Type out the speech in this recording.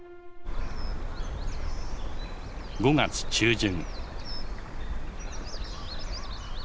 ５月中旬。